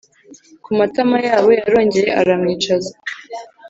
kumatama yabo, yarongeye aramwicaza